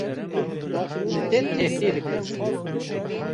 li te tehdê dikin